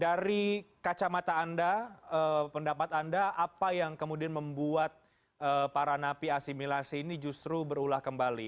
dari kacamata anda pendapat anda apa yang kemudian membuat para napi asimilasi ini justru berulah kembali